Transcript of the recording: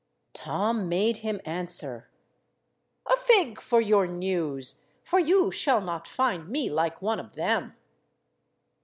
Tom made him answer— "A fig for your news, for you shall not find me like one of them."